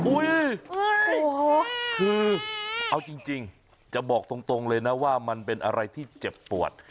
คือเอาจริงจะบอกตรงเลยนะว่ามันเป็นอะไรที่เจ็บปวด